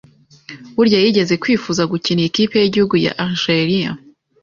burya yigeze kwifuza gukinira ikipe y’igihugu ya Algeria